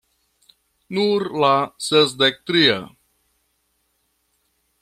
Nur la sesdek tria...